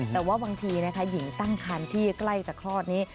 แต่ว่าบางทีนะคะหญิงตั้งคันที่ใกล้จะคลอดนี้